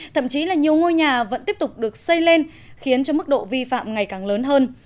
thậm chí là nhiều ngôi nhà vẫn tiếp tục được xây lên khiến cho mức độ vi phạm ngày càng lớn hơn